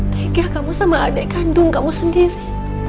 tegah kamu sama adik kandung kamu sendiri